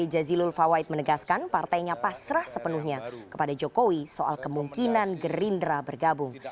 sementara wakil ketua umum pkb jazilul fawait menegaskan partainya pasrah sepenuhnya kepada jokowi soal kemungkinan gerindra bergabung